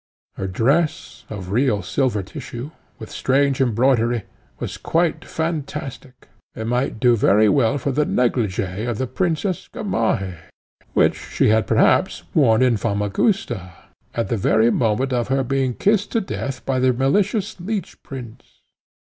Her dress, of real silver tissue, with strange embroidery, was quite fantastic, and might do very well for the negligee of the princess, Gamaheh, which she had perhaps worn in Famagusta, at the very moment of her being kissed to death by the malicious Leech Prince.